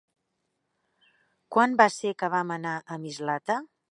Quan va ser que vam anar a Mislata?